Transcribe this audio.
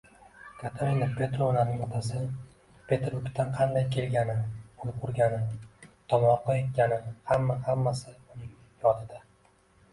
Katerina Petrovnaning otasi Peterburgdan qanday kelgani, uy qurgani, tomorqa ekkani – hamma-hammasi uning yodida.